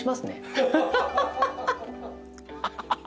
「ハハハハ！